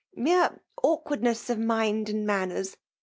*' Mere awkwardness of mind and manners.